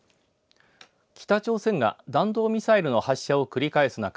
北朝鮮が弾道ミサイルの発射を繰り返す中